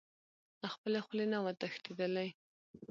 له خپلې خولې نه و تښتېدلی.